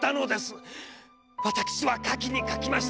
わたくしは描きに描きました。